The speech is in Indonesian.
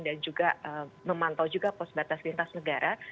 dan juga memantau juga pos batas lintas negara